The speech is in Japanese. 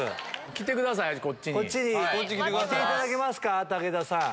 来てくださいこっちに。来ていただけますか武田さん。